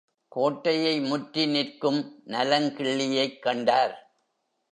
கோட்டையை முற்றி நிற்கும் நலங்கிள்ளியைக் கண்டார்.